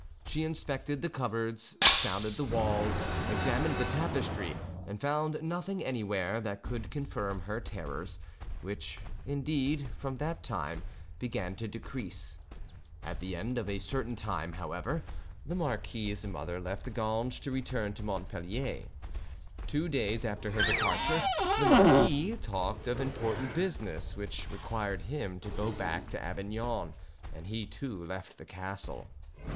She inspected the cupboards, sounded the walls, examined the tapestry, and found nothing anywhere that could confirm her terrors, which, indeed, from that time began to decrease. At the end of a certain time; however, the marquis's mother left Ganges to return to Montpellier. Two, days after her departure, the marquis talked of important business which required him to go back to Avignon, and he too left the castle.